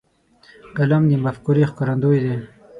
قلم د مفکورې ښکارندوی دی.